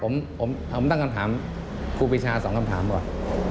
ผมตั้งคำถามครูปีชา๒คำถามก่อน